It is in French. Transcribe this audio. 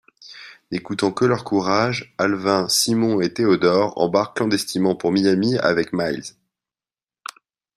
N'écoutant que leur courage, Alvin, Simon et Theodore embarquent clandestinement pour Miami avec Miles.